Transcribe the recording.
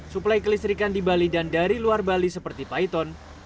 suplai kelistrikan di bali dan dari luar bali seperti paiton